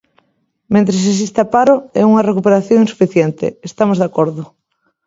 Mentres exista paro é unha recuperación insuficiente; estamos de acordo.